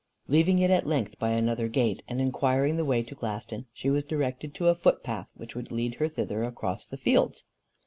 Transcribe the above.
Leaving it at length by another gate, and inquiring the way to Glaston, she was directed to a footpath which would lead her thither across the fields.